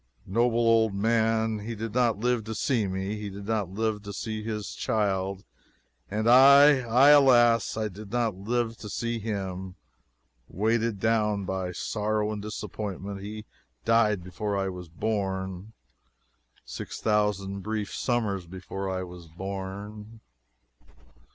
Noble old man he did not live to see me he did not live to see his child. And I I alas, I did not live to see him. Weighed down by sorrow and disappointment, he died before I was born six thousand brief summers before I was born.